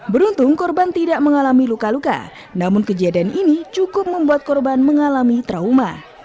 beruntung korban tidak mengalami luka luka namun kejadian ini cukup membuat korban mengalami trauma